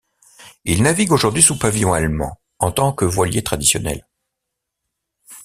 Il navigue aujourd'hui sous pavillon allemand en tant que voilier traditionnel.